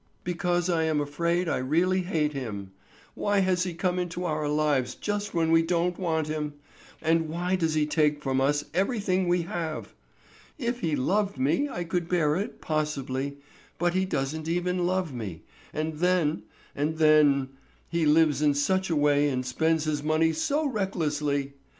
"Because I am afraid I really hate him. Why has he come into our lives just when we don't want him; and why does he take from us everything we have? If he loved me I could bear it possibly, but he don't even love me; and then—and then—he lives in such a way and spends his money so recklessly!